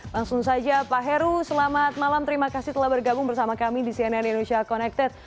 langsung saja pak heru selamat malam terima kasih telah bergabung bersama kami di cnn indonesia connected